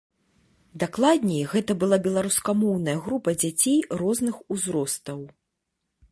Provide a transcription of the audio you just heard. Дакладней, гэта была беларускамоўная група дзяцей розных узростаў.